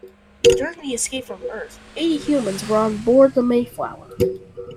During the escape from earth, eighty humans were on board the Mayflower.